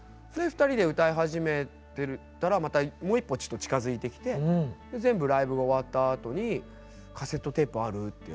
２人で歌い始めてたらもう一歩ちょっと近づいてきて全部ライブが終わったあとに「カセットテープある？」って言われて。